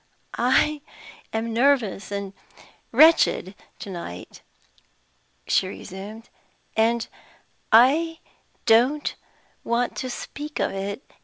"I am nervous and wretched to night," she resumed; "and I don't want to speak of it.